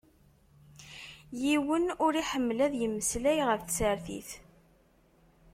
Yiwen ur iḥemmel ad imeslay ɣef tsertit.